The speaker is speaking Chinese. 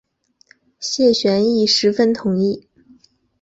谢玄亦十分同意。